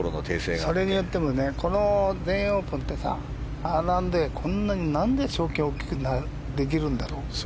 だけど、それによってもこの全英オープンってさこんなに賞金をなんで大きくできるんだろうと。